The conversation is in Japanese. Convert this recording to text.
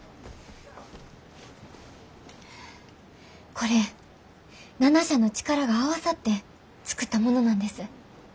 これ７社の力が合わさって作ったものなんです。